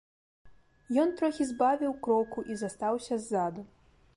Ён трохі збавіў кроку і застаўся ззаду.